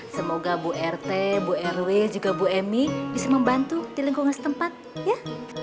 semoga bu rt bu rw juga bu emy bisa membantu di lingkungan setempat ya